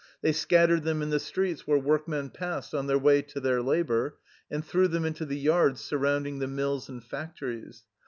They scattered them in the streets where workmen passed on their way to their labor, and threw them into the yards surrounding the mills and factories.